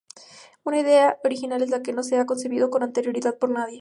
Una idea original es la que no se ha concebido con anterioridad por nadie.